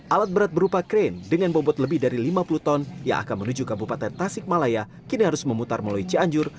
alat berat berupa krain dengan bobot lebih dari lima puluh ton yang akan menuju kabupaten tasikmalaya kini harus memutar melalui cianjur